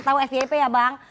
tau fyp ya bang